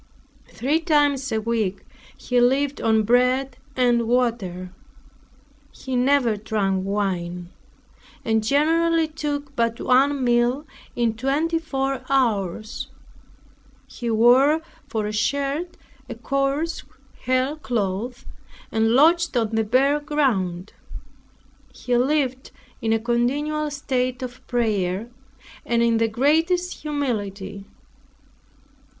Three times a week he lived on bread and water. He never drank wine, and generally took but one meal in twenty four hours. He wore for a shirt a coarse hair cloth, and lodged on the bare ground. He lived in a continual state of prayer, and in the greatest humility.